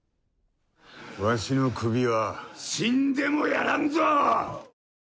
わしの首は死んでもやらんぞ！